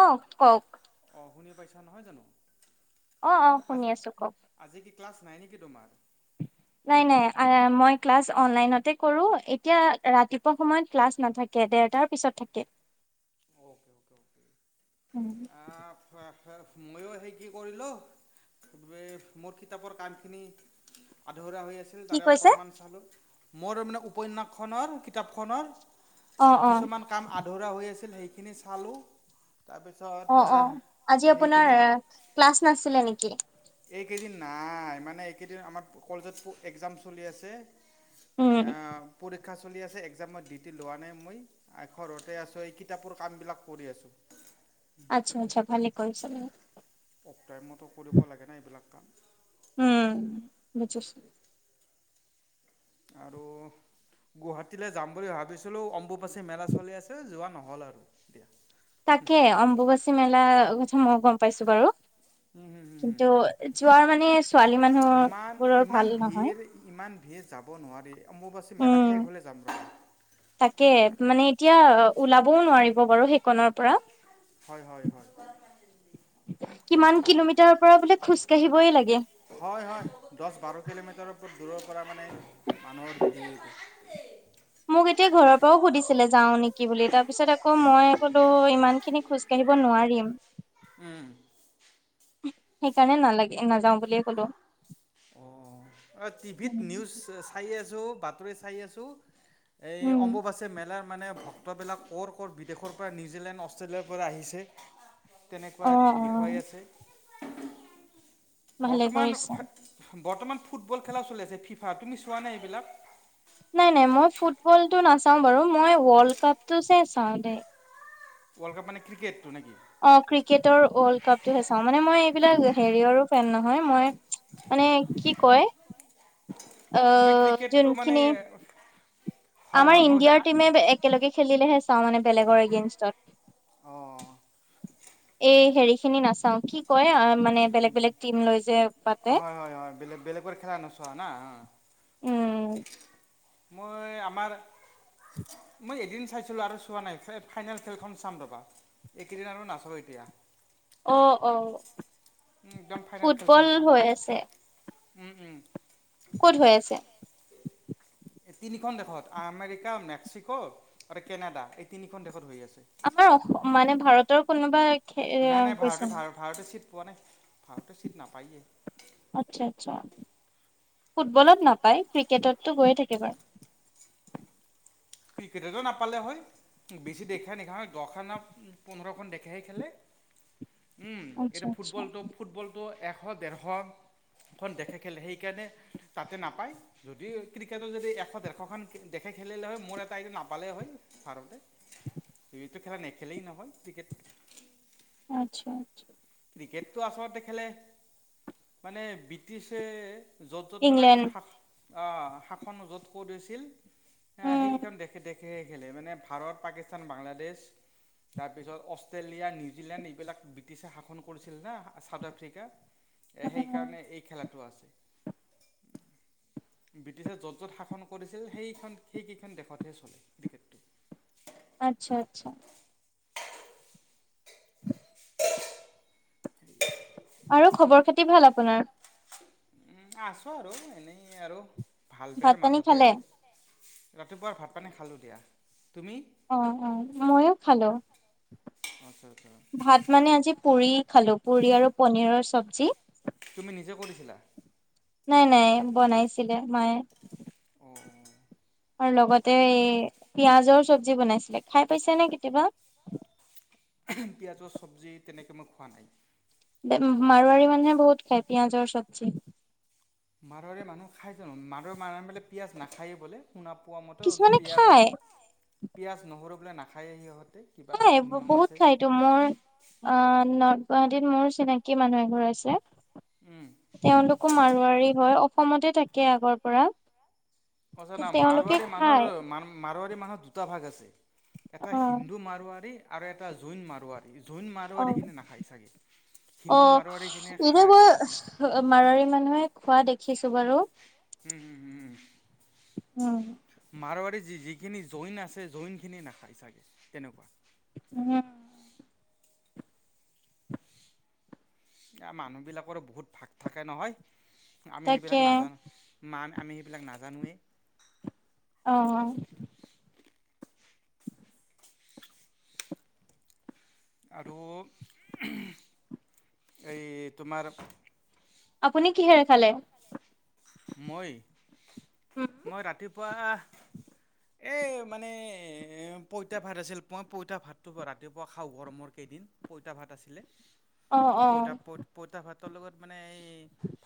অ কওক অঁ শুনি পাইছা নহয় জানো অ অ শুনি আজি আছো কওক আজি কি ক্লাছ নাই নেকি তোমাৰ নাই নাই মই ক্লাছ অনলাইনতে কৰো এতিয়া ৰাতিপুৱা সময়ত ক্লাছ নাথাকে তাকে ডেৰটাৰ পিছত থাকে [unintelligible] মইয়ো সেই কি কৰি লোও মোৰ কিতাপৰ কামখিনি আধৰুৱা হৈ আছে কি ত কৈছে অকণমান চালো মোৰ মে উপন্যাসখনৰ কিতাপখনৰ অ', অ', কিছুমান কাম আধৰুৱা হৈ আছিল সেইখিনি চালোঁ অ', অ', আজি তাৰপিছত আপোনাৰ সেইখিনি ক্লাছ নাছিলে নেকি এইকেইদিন নাই মানে এইকেইদিন আমাৰ কলেজত একজাম চলি আছে অ উম, পৰীক্ষা চলি আছে এক্জামত ডিউটি লোৱা নাই মই ঘৰতে আছোঁ এই কিতাপৰ কামবিলাক কৰি আছোঁ [unintelligible] আচ্ছা আচ্ছা ভালে কৰিছাঁ অফ টাইমত কৰিব লাগে না এইবিলাক কাম উম বুজিছোঁ আৰু গুৱাহাটীলৈ যাম বুলি ভাবিছিলোঁ অম্বুবাচী মেলা চলি আছে যোৱা নহ'ল আৰু তাকে অম্বুবাচী মেলাৰ কথা মই গম পাইছোঁ বাৰু উম হুম হুম হুম কিন্তু যোৱাৰ মানে ছোৱালী মানুহ ইমান বোৰৰ ইমান ভাল ভিৰ নহয় ইমান ভিৰ যাব নোৱাৰি অম্বুবাচী মেলা উম। শেষ হ'লে যাম ন তাকে, মানে এতিয়া ওলাবও নোৱাৰিব বাৰু সেইকনৰ পৰা। হয় হয় হয়। কিমান সেইটোৱে কিলোমিটাৰৰ পৰা বোলে খোজ কাঢ়িবই লাগে। হয় হয় দহ বাৰ কিলোমিটাৰৰওপৰত দূৰৰ পৰা মানে মানুহৰ ধেৰি মোক এতিয়া ঘৰৰ পৰাও সুধিছিলে যাওঁ নেকি বুলি তাৰ পিছত আকৌ' মই বোলো ইমান খিনি খোজ কিনিব নোৱাৰিম। উম' সেইকাৰণে নালাগে নাযাওঁ বুলিয়ে ক'লো। অ' অ' টিভিত নিউজ চাই আছোঁ, বাতৰি চাই আছোঁ - এই উম, অম্বুবাচী মেলাৰ মানে ভ- ফটোবিলাক কৰ' কৰ' বিদেশৰ পৰা নিউজিলেণ্ড অষ্ট্ৰেলিয়াৰ পৰা আহিছে। অ', তেনেকুৱা দেখুৱাই অ', আছে। [inaudible] ভালে বৰ্তমান কৰিছা। বৰ্তমান ফুটবল খেলা চলি আছে ফিফা তুমি চোৱা নাই এইবিলাক। নাই নাই মই ফুটবল টো নাচাও বাৰু মই ৱৰ্ল্ড কাপ টো হে চাওঁ দেই। ৱৰ্ল্ড কাপ মান ক্ৰিকেটো নে কি। অ' ক্ৰিকেটৰ ৱৰ্ল্ড কাপটোহে চাওঁ। মানে মই এইবিলাক হেৰিয়ৰো ফেন নহয় মই- মানে কি কয় আ মানে ক্ৰিকেটটো মানে যোনখিনি- হয় আমাৰ হয় মই কৈছো ইণ্ডিয়াৰ টিমে একেলগে খেলিলেহে চাওঁ মানে বেলেগৰগেনষ্টত- অঁ এই হেৰি খিনি নাচাওঁ, কি কয় মানে- বেলেগ বেলেগ টিম লৈ যে পাতে হয় হয় হয় বেলেগ বেলেগৰ খেলা নচোৱা না। উম মই আমাৰ- মই এদিন চাইছিলোঁ। আৰু চোৱা নাই ফাইনেল খেলখন চাম ৰ'বা। এইকেইদিন আৰু নাচাওঁ এতিয়া- অ অ উম' একদম ফাইনেল ফুটবল খেলখন চাম হৈ আছে উম উম ক'ত হৈ আছে। এই তিনিখন দেশত আমেৰিকা মেক্সিকো আৰু কেনেডা এই তিনিখন দেশত হৈ আছে। আমাৰ অ' মানে ভাৰতৰ কোনোবা- খে- এ, নাই নাই গৈছে ভাৰতে ন ভাৰ ভাৰতে ছিট পোৱা নাই ভাৰতে ছিট নাপায়েই। আচ্ছা আচ্ছা ফুটবলত নাপায়। ক্ৰিকেটতটো হৈয়ে থাকে বাৰু। ক্ৰিকেটও নাপালে হয়, বেছি দেশেই নপালে হয় দখ পোন্ধৰখন দেখেহে খেলে। উম' আচ্ছা এটো আচ্ছা ফুটবলটো ফুটবলটো এশ ডেৰশ- খখন দেখে খেলে সেইকাৰণে তাতে নাপায়, যদি ক্ৰিকেটত যদি এশ দেৰশ খন দেখে খেলিলে হয় মোৰ- তাইটো নাপালে হয় ভাৰতেটো খেলা নেখেলেই নহয় ক্ৰিকেট- আচ্ছা আচ্ছা ক্ৰিকেটটো আচলতে খেলে মানে ব্ৰিটিছে- য'ত য'ত মানে ইংলেণ্ড আগতে শ শাসন য'ত কৈ থৈছিল উম সেইকেইখন দেখে খেইখন খেলে মানে ভাৰত পাকিস্তান বাংলাদেশ তাৰপিছত অষ্ট্ৰেলিয়া নিউজিলেণ্ড এইবিলাক ব্ৰিটিছেে হাত- শাখন কৰিছিল না চাউথ আফ্ৰিকা উম সেইকাৰণে এই খেলাটো আছে। উম [unintelligible] ব্ৰিটিছেে য'ত য'ত শাসন কৰিছিল সেইখন সেইকেইখন দেশতহে চলে ক্ৰিকেটটো। আচ্ছা আচ্ছা। আৰু খবৰ খেতি ভাল আপোনাৰ্ উম' আছো আৰু এনেই আৰু ভাল ভাত বোৰ পানী মাজতে খালে আৰু ৰাতিপুৱাৰ ভাত পানী খালোঁ দিয়া, তুমি? অ', অ', মইও খালো। আচ্ছা, আচ্ছা। ভাত মানে আজি পুৰি খালোঁ, পুৰি আৰু পনীৰৰ চব্জি। তুমি নিজে কৰিছিলা। নাই নাই বনাইছিলে মায়ে। অ', অ'। আৰু লগতে এই পিয়াজৰ চব্জি বনাইছিলে, খাই পাইছে নে কেতিয়াবা? পিয়াজৰ চব্জি, তেনেকৈ মই খোৱা নাই। বে মাৰোৱাৰী মানুহে বহুত খাই, পিয়াজৰ চব্জি। মাৰোৱাৰী মানুহ খাই জানো, মাৰোৱাৰী মানুহে বোলে পিয়ঁয়াজ নাখায়ে বোলে। শুনা পোৱা মতে, কিছুমানে পিঁয়াজ খায় নহ পিঁয়াজ নহৰু বোলে নাখায়েই সিহঁতে। কিবা খাই নিয়ম ব-বহুত আছে খাই। টো মোৰ, অ', নৰ্থ গুৱাহাটীত মোৰ চিনাকি মানুহ এঘৰ আছে। উম। তেওঁলোকো মাৰোৱাৰী হয়, অসমতে থাকে আগৰ পৰা। সছা না তেওঁলোকে মাৰোৱাৰী মানুহ খাই আৰু মান মাৰোৱাৰী মানুহ দুটা ভাগ আছে, এটা অ হিন্দু মাৰোৱাৰী আৰু এটা জৈন মাৰোৱাৰী। জৈন অ মাৰোৱাৰীখিনিয়ে নাখায় চাগে হিন্দু মাৰোৱাৰীখিনিয়ে খায়। হ মাৰোৱাৰী মানুহে খোৱা দেখিছো বাৰু। হুম, হুম, হুম। উম। মাৰোৱাৰী যি- যিখিনি জৈন আছে, জৈন খিনিয়ে নাখায় চাগে তেনেকুৱা। উম। আ, মানুহবিলাকৰো বহুত ভাগ থাকে নহয়, আমি তাকে সেইবিলাক নাজানো। মান আমি সেইবিলাক নাজানোৱেই। অ', অ'। আৰু এই তোমাৰ। আপুনি কিহেৰে খালে? মই, উম মই ৰাতিপুৱা এই মানে পইতা ভাত আছিল, পই পইতা ভাতটো ৰাতিপুৱা খাওঁ গৰমৰ কেইদিন। পইতা ভাত আছিলে। অ অ পইতা প-পইতা ভাতৰ লগত মানে এই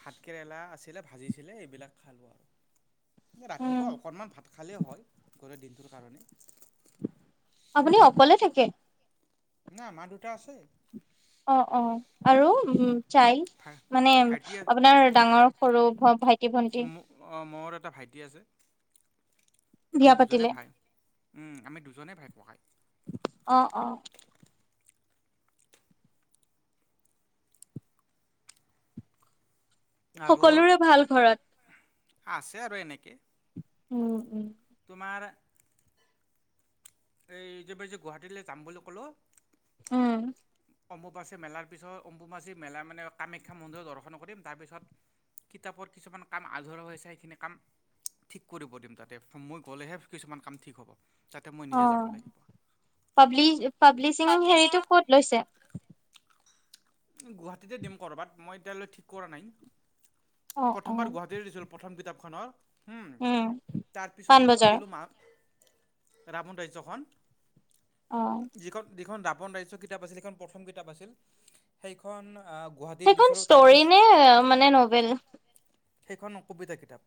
ভাত কেৰেলা আছিলে, ভাজিছি চিলে এইবিলাক খালোঁ আৰু উম ৰাতিপুৱা অকণমান ভাত খালেই হয়। কৰে দিনটোৰ কাৰণে। আপুনি অকলে থাকে? নাই, মা-দেউতা আছে। অ', অ', আৰু উম চাইল্ড ভা মানে ভাইটি আপোনাৰ ডাঙৰ সৰু ভ-ভাইটি ভন্টি। অ', মোৰ এটা ভাইটি আছে। আমি বিয়া দুজনে পাতিলে ভাই, উম আমি দুজনেই ভাই ককাই। অ', অ'। আৰু সকলোৰে ভাল ঘৰত আছে আৰু এনেকে। উম, উম। তোমাৰ এইযে বাই গুৱাহাটীলৈ যাম বুলি ক'লোঁ। উমঁ! অম্বুবাচী মেলাৰ পিছত অম্বুবাচী মেলা মানে কামাখ্যা মন্দিৰত দৰ্শন কৰিম। তাৰপিছত- কিতাপৰ কিছুমান কাম আধৰুৱা হৈছে সেইখিনি কাম- ঠিক কৰিব দিম তাতে মই গ'লেহে কিছুমান কাম ঠিক হ'ব। তাতে মই অ নিজে যাব লাগিব। পাব্লি পাব্লিচিং হেৰিটো পাব্লিচিঙ- ক'ত লৈছে? গুৱাহাটীতে দিম কৰ'বাত মই এতিয়ালৈ ঠিক কৰা নাই। অ অ প্ৰথমবাৰ গুৱাহাটীৰ দিছিলোঁ প্ৰথম কিতাপখনৰ- উমঁ উম তাৰপিছত দুখন পাণবজাৰ দিলোঁ মাক ৰাৱণ ৰাজ্যখন। অ যিখন যিখন ৰাৱন ৰাজ্য কি- কিতাপ আছিল সেইখন প্ৰথম কিতাপ আছিল সেইখন আ- সেইখন ষ্টৰী নে মানে ন'বেল। সেইখন কবিতা কিতাপ।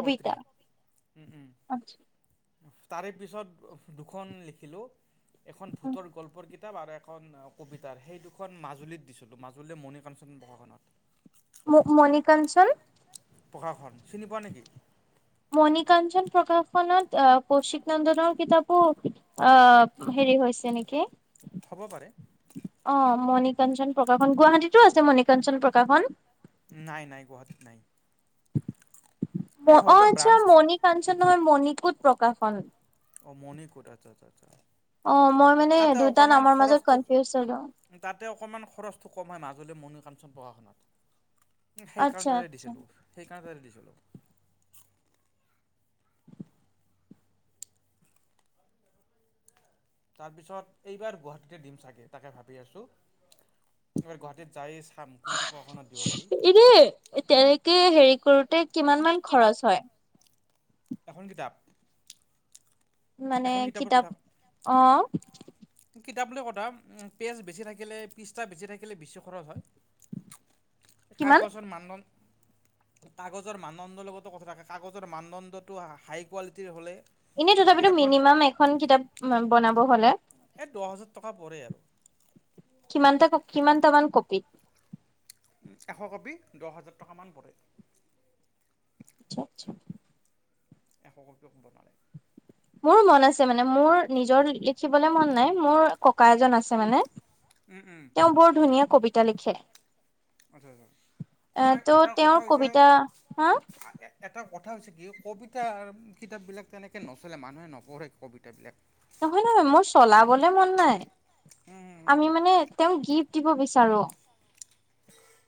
পত্ৰী উমঁ উমঁ। তাৰে পিছত দুখন লিখিলোঁ এখন ভূতৰ গল্পৰ কিত- কিতাপ আৰু এখন কবিতাৰ সেই দুখন মাজুলীত দিছিলোঁ মাজুলীৰ মণিকাঞ্চন প্ৰকাশনত। ম মণিকাঞ্চন। প্ৰকাশন চিনি পোৱা নেকি? মণিকাঞ্চন প্ৰকাশনত আহ কৌশিক নন্দনৰ কিতাপো- অঁ হেৰি হৈছে নেকি? হ'ব পাৰে। অঁ মণিকাঞ্চন প্ৰকাশন গুৱাহাটীতো আছে মণিকাঞ্চন প্ৰকাশন। নাই নাই গুৱাহাটীত নাই। অঁ হয়তো আচ্ছা ব্ৰাঞ্চ মণিকাঞ্চনহয় মণিকোত প্ৰকাশন। অঁ মনিকোট আচ্ছা আচ্ছা আচ্ছা। অঁ মই মানে তাতে দুটা অকণমান নামৰ মাজত খৰচটো কনফিউজ হলোঁ। তাতে অকণমান খৰচটো কম হঁয় মাজুলী মণি কাঞ্চন প্ৰশাসনত। সেইকাৰণে আচ্ছা তাতে আচ্ছা দিছিলোঁ সেইকাৰণে তাতে দিছিলোঁ। তাৰপিছত এইবাৰ গুৱাহাটীতে দিম চাগে তাকে ভাবি আছোঁ। এইবাৰ গুৱাহাটীত যায়ই চাম। কোনটো প্ৰকাশনত দিব পাৰি এনে তেনেকে হেৰি কৰোতে কিমান মান খৰচ হয়। এখন কিতাপ- মানে এখন কিতাপৰ কিতাপ কথা অঁ। কিতাপ লৈ কথা পেজ বেছি থাকিলে পিচতা বেছি থাকিলে বেচি খৰচ হয়ঁ। কিমান কাগজৰ মানদন - কাগজৰ মানদণ্ডৰ লগতো কথা থাকে কাগজৰ মানদণ্ডটো হাই কোৱালিটিৰ হ'লে- এনেই তথাপিতো কিতাপখন মিনিমাম এখন কিতাপ বনাব হ'লে - এ দহ হাজাৰ টকা পৰে আৰু। কিমানটা কিমানটামান কপি? এশ কপি দহ হাজাৰ টকামান পৰে। আচ্ছা আচ্ছা। এশ কপি হৱ পাৰে। মোৰ মন আছে মানে মোৰ নিজৰ ইলেক- লিখিবলৈ মন নাই মোৰ ককা এজন আছে মানে উম উম তেওঁ বৰ ধুনীয়া কবিতা লিখে। এ আচ্ছা'-আচ্ছা' এটা ত' কথা তেওঁৰ কবিতা হৈছে- হা এটা কথা হৈছে কি কবিতা কিতাপবিলাক তেনেকৈ নচলে মানুহে নপঢ়ে কবিতাবিলাক। নহয় নহয় মোৰ চলাবলে মন নাই। উম উম উম আমি মানে তেওঁক গিফ্ট দিব বিচাৰো।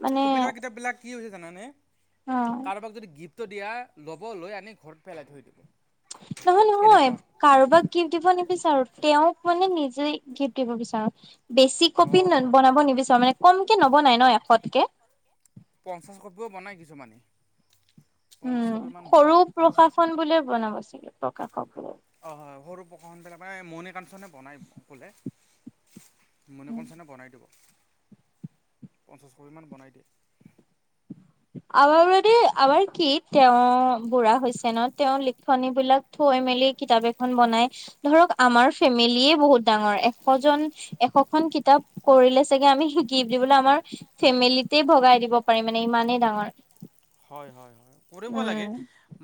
মানে কবিতাৰ কিতাপ বিলাক কি হৈছে জানা নে অ কাৰোবাক যদি গিফ্ট গিফ্ট টো দিয়া ল'ব লৈ আনি ঘৰত পেলাই থৈ দিব। নহয় নহয়। এনেকুৱা কাৰোবাক গিফ্ট দিব নিবিচাৰো, তেওঁক মানে নিজে গিফ্ট দিব বিচাৰোঁ। বেছি অঁ কপি অঁ বনাব নিবিচাৰো মানে কমকে নবনাই ন এশতকে? পঞ্চাছ কপিও বনায় কিছুমানে। পঞ্চাছ উমঁ' কপিমান সৰু বনায় পঞ্চাছ প্ৰকাশন বুলিয়ে বনাব ছাগে প্ৰকাশক। অঁ' হয় সৰু প্ৰকাশনবিলাক মণি কাঞ্চনে বনায় বোলে। মণিকনঞ্চনে বনাই দিব। পঞ্চাছ কপিমান বনাই দিয়ে। আমাৰ মানে আমাৰ কি তেওঁ বুঢ়া হৈছে ন তেওঁৰ লিখনি বিলাক- থৈ মেলি কিতাপ এখন বনাই ধৰক আমাৰ ফেমিলিয়ে বহুত ডাঙৰ এশজন- এশখন কিতাপ পঢ়িলে চাগে আমি শিকি বুলিবোলে আমাৰ- ফেমিলিতে ভগাই দিব পাৰিম মানে ইমানেই ডাঙৰ। হয় হয় হয়। কৰিব লাগে উম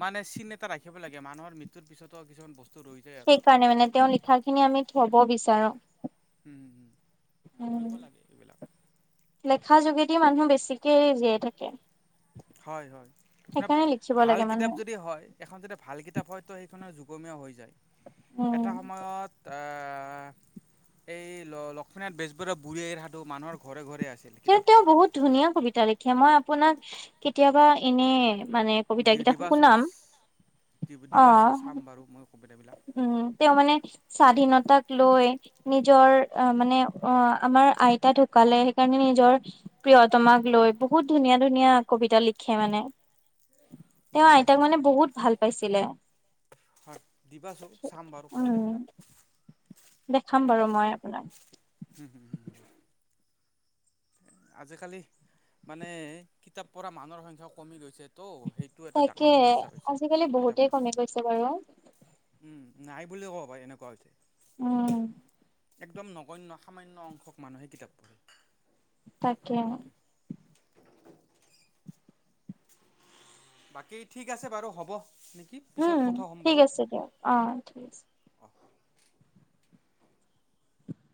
মানে চিন এটা ৰাখিব লাগে মানুহৰ মৃত্যুৰ পিছতো কিছুমান বস্তু- ৰৈ যায়। আৰু সেইকাৰণে মানে তেওঁৰ লিখা খিনি আমি থব বিচাৰো। হম হম। উম কৰিব লাগে এইবিলাক। লেখা যোগেদি মানুহ বেছিকে জীয়াই থাকে। হয় হয়। মানে সেইকাৰণে লিখিব ভাল লাগে কিতাপ মানুহে যদি হয়- এখন যাতে ভাল কিতাপ হয় তো সেইখনৰ যুগমীয়া হৈ যায়। উম এটা সময়ত আহ'- এই ল লক্ষ্মীনাথ বেজবৰুৱাৰ বুঢ়ী আইৰ সাধু‌ মানুহৰ ঘৰে ঘৰে আছিল। কিন্তু তেওঁ কিতাপখন বহুত ধুনীয়া কবিতা লিখে মই আপোনাক কেতিয়াবা এনে মানে- কবিতা দি কেইটা দিবা শো শুনাম দিবা চোন চাম বাৰু মই কবিতাবিলাক। উমঁ' তেওঁ মানে- স্বাধীনতাক লৈ নিজৰ মানে অ' আমাৰ আইতা ঢুকালে- কাৰণে নিজৰ প্ৰিয়তমাক লৈ বহুত ধুনীয়া ধুনীয়া কবিতা লিখে মানে। তেওঁ দিবাচো আইতাক মানে চাম বহুত ভাল পাইছিলে। হয়। দিবাচোন চাম বাৰু উম কবিতাবিলাক। দেখাম বাৰু মই আপোনাক। হম হম হম হম। আজিকালি মানে কিতাপ পঢ়া মানুহৰ সংখ্যাও কমি গৈছে তো সেই- টো এটা তাকে ডাঙৰ সমস্যা হৈছে আজিকালি বহুতেই কিতাপৰ কমি কাৰণে। গৈছে বাৰু উমঁ' নাই বুলিয়ে ক'ব পাৰি এনেকুৱা হৈছে। উম একদম নগন্য সামান্য অংশক মানুহে কিতাপ পঢ়ে। তাকে। সেইটোৱে [unintelligible] বাকী ঠিক আছে বাৰু হ'ব নেকি পিছত কথা হ'ম বাৰু। অঁ অঁ ঠিক আছে।